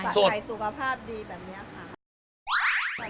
ไทยสุขภาพดีแบบนี้ค่ะ